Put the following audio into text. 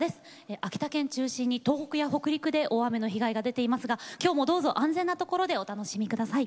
秋田県を中心に東北や北陸で大雨の被害が出ていますが今日もどうぞ安全な場所でお楽しみください。